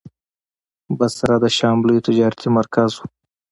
بصره د شام لوی تجارتي مرکز و.